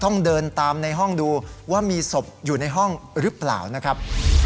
ต้องเดินตามในห้องดูว่ามีศพอยู่ในห้องหรือเปล่านะครับ